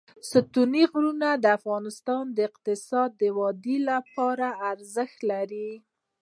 ستوني غرونه د افغانستان د اقتصادي ودې لپاره ارزښت لري.